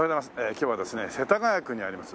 今日はですね世田谷区にあります